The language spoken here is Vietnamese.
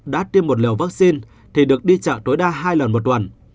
đã tiêm một liều vaccine thì được đi chợ tối đa hai lần một tuần